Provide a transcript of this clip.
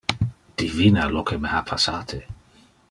Divina lo que me ha passate.